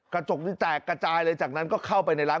กระจกนี้แตกกระจายเลยจากนั้นก็เข้าไปในร้าน